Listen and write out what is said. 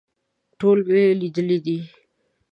ټول مې لیدلي دي.